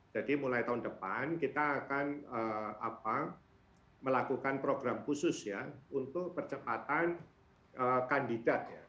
jadi mulai tahun depan kita akan melakukan program khusus ya untuk percepatan kandidat ya